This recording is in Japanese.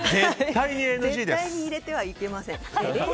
絶対に入れてはいけません。